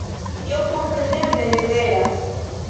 Tio kompreneble ne veras.